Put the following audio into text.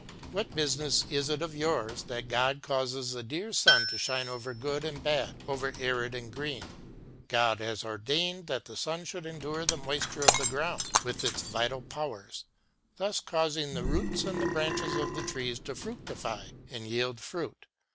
What business is it of yours that God causes the dear sun to shine over good and bad, over arid and green ? God has ordained that the sun should endue the moisture of the ground with its vital powers, thus causing the roots and branches of the trees to fructify and yield fruit.